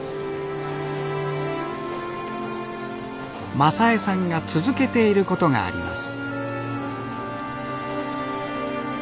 雅枝さんが続けていることがあります